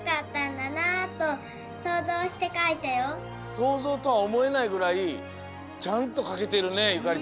そうぞうとはおもえないぐらいちゃんとかけてるねゆかり